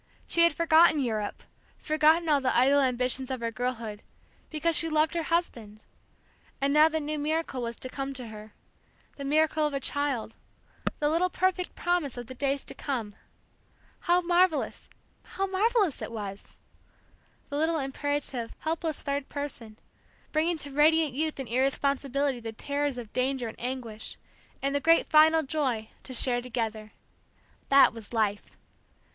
She had forgotten Europe, forgotten all the idle ambitions of her girlhood, because she loved her husband; and now the new miracle was to come to her, the miracle of a child, the little perfect promise of the days to come. How marvellous how marvellous it was! The little imperative, helpless third person, bringing to radiant youth and irresponsibility the terrors of danger and anguish, and the great final joy, to share together. That was life.